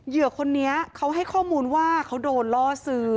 เหยื่อคนนี้เขาให้ข้อมูลว่าเขาโดนล่อซื้อ